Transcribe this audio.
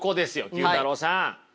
９太郎さん。